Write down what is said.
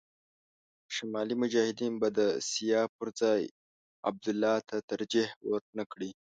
شمالي مجاهدین به د سیاف پر ځای عبدالله ته ترجېح ور نه کړي.